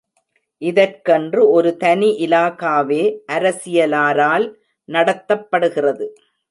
இதற்கென்று ஒரு தனி இலாகா வே அரசியலாரால் நடத்தப்படுகிறது.